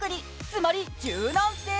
つまり柔軟性。